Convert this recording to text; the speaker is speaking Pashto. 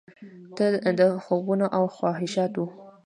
ته د خوبونو او خواهشاتو،